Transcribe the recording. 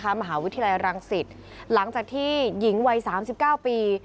มหาวิทยาลัยรังสิตหลังจากที่หญิงวัย๓๙ปี